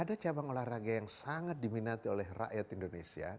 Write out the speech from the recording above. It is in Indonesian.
ada cabang olahraga yang sangat diminati oleh rakyat indonesia